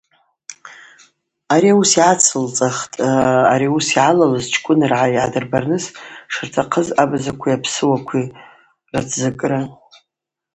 Ауи йгӏацылцӏахтӏ ари ауыс йгӏалалыз чкӏвынргӏа йгӏадырбарныс шыртахъыз абазакви апсыуакви рацзакӏыра.